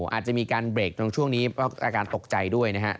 อาจจะมีการเบรกตรงช่วงนี้เพราะอาการตกใจด้วยนะครับ